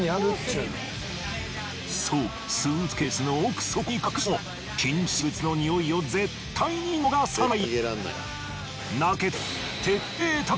そうスーツケースの奥底に隠しても禁止物の匂いを絶対に逃さない。